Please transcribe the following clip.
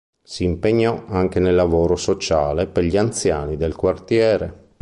Si impegnò anche nel lavoro sociale per gli anziani del quartiere.